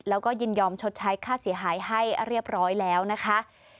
แล้วก็ยินยอมชดใช้ค่าเสียหายให้เรียบร้อยแล้วนะคะ